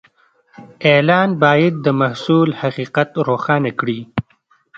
اعلان باید د محصول حقیقت روښانه کړي.